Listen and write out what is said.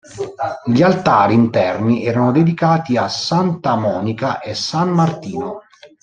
Gli altari interni erano dedicati a Santa Monica e San Martino.